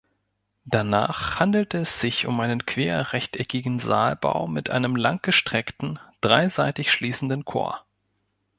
Danach handelte es sich um einen querrechteckigen Saalbau mit einem langgestreckten, dreiseitig schließenden Chor.